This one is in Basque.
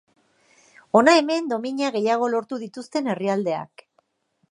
Hona hemen domina gehiago lortu dituzten herrialdeak.